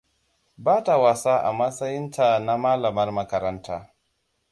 Bata wasa a matsayin ta na malamar makaranta.